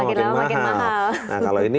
makin mahal nah kalau ini